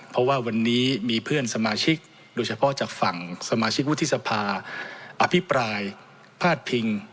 เพราะว่าวันนี้มีเพื่อนสมาชิกโดยเฉพาะจากฝั่งสมาชิกวุฒิสภาอภิปรายพาดพิง